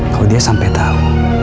kalau dia sampe tau